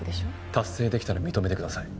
達成できたら認めてください。